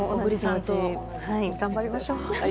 頑張りましょう。